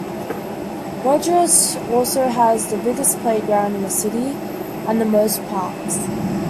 Rogerius also has the biggest playground in the city and the most parks.